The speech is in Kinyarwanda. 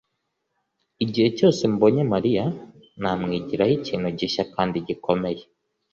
igihe cyose mbonye mariya, namwigiraho ikintu gishya kandi gikomeye